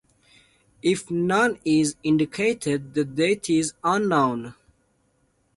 If none is indicated, the date is unknown.